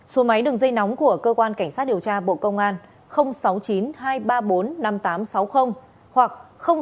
số máy đường dây nóng của cơ quan cảnh sát điều tra bộ công an sáu mươi chín hai trăm ba mươi bốn năm nghìn tám trăm sáu mươi hoặc sáu mươi chín hai trăm ba mươi hai một nghìn sáu trăm